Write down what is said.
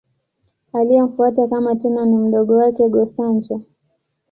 Aliyemfuata kama Tenno ni mdogo wake, Go-Sanjo.